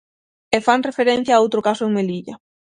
E fan referencia a outro caso en Melilla.